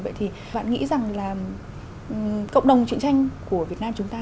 vậy thì bạn nghĩ rằng là cộng đồng chuyện tranh của việt nam chúng ta